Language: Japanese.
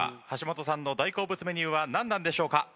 橋本さんの大好物メニューは何なんでしょうか？